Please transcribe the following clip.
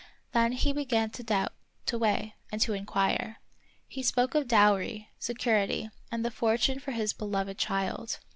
Then he began to doubt, to weigh, and to inquire. He spoke of dowry, security, and the fortune for his beloved child.